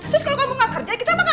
terus kalau kamu gak kerja kita makan